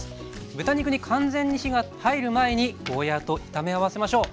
豚肉に完全に火が入る前にゴーヤーと炒め合わせましょう。